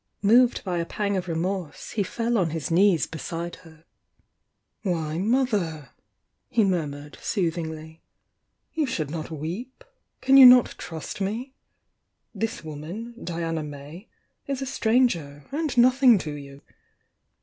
Moved by a pang of remorse, he fell on his knees beside her. "Why, mother!" he murmured, soothingly— "you should not weep! Can you not trust me? This woman, Diana May, is a stranger, and nothing to you.